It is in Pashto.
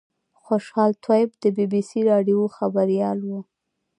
خوشحال طیب د بي بي سي راډیو خبریال و.